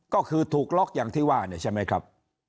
ก็คือถูกล็อกอย่างที่ว่าเนี่ยใช่ไหมครับ